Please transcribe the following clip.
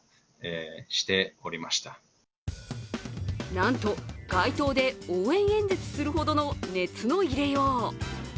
なんと、街頭で応援演説するほどの熱の入れよう。